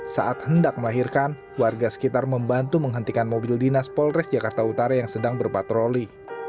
saat hendak melahirkan warga sekitar membantu menghentikan mobil dinas polres jakarta utara yang sedang berpatroli